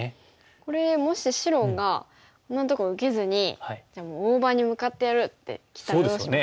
これもし白が「こんなとこ受けずにじゃあもう大場に向かってやる」ってきたらどうしますか。